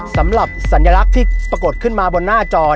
สำหรับสัญลักษณ์ที่ปรากฏขึ้นมาบนหน้าจอ